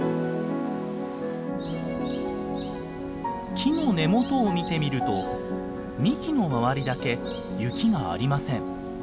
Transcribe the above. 木の根元を見てみると幹の周りだけ雪がありません。